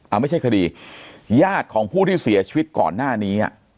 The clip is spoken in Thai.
เอาไม่ใช่คดีญาติของผู้ที่เสียชีวิตก่อนหน้านี้อ่ะ